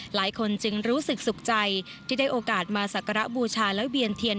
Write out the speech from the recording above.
หลายคนจึงรู้สึกสุขใจที่ได้โอกาสมาสักการะบูชาแล้วเวียนเทียน